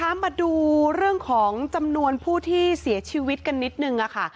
มาดูเรื่องของจำนวนผู้ที่เสียชีวิตกันนิดนึงค่ะ